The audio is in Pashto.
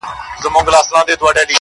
ژړ سپى د چغال ورور دئ.